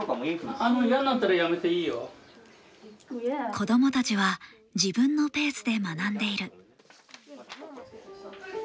子供たちは自分のペースで学んでいる。